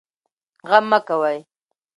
غم مه کوئ